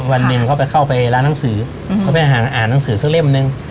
วันหนึ่งเขาไปเข้าไปร้านหนังสือเขาไปอ่านหนังสือสักเล่มนึง